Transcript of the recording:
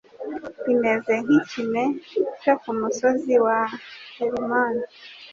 Bimeze nk’ikime cyo ku musozi wa Herimoni